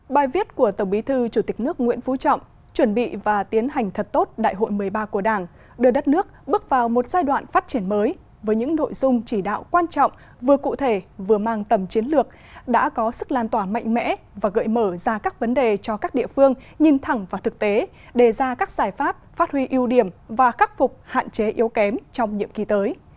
bài viết của tổng bí thư chủ tịch nước nguyễn phú trọng chuẩn bị và tiến hành thật tốt đại hội một mươi ba của đảng đưa đất nước bước vào một giai đoạn phát triển mới với những nội dung chỉ đạo quan trọng vừa cụ thể vừa mang tầm chiến lược đã có sức lan tỏa mạnh mẽ và gợi mở ra các vấn đề cho các địa phương nhìn thẳng và thực tế đề ra các giải pháp phát huy ưu điểm và cắt phục hạn chế yếu kém trong nhiệm kỳ tới